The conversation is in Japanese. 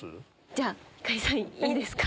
じゃあ星さんいいですか？